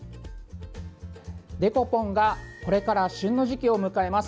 デコポンがこれから旬の時期を迎えます。